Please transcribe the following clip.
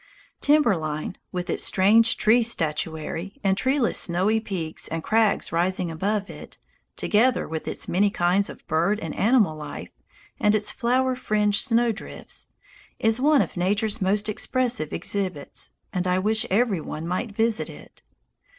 Timber line, with its strange tree statuary and treeless snowy peaks and crags rising above it, together with its many kinds of bird and animal life and its flower fringed snowdrifts, is one of nature's most expressive exhibits, and I wish every one might visit it.